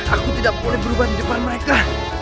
aku tidak boleh berubah di depan mereka